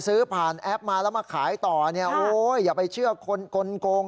ซื้อผ่านแอปมาแล้วมาขายต่อเนี่ยโอ้ยอย่าไปเชื่อคนกลง